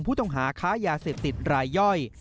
ผู้ต้องหาค้ายาเสพติดรายย่อย